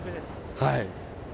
はい。